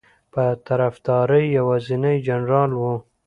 په طرفداری یوازینی جنرال ؤ